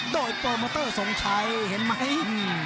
โดยโปรโมเตอร์ทรงชัยเห็นไหม